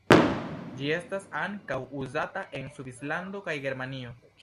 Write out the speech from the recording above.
Ĝi estas ankaŭ uzata en Svislando kaj Germanio.